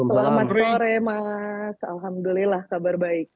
selamat sore mas alhamdulillah kabar baik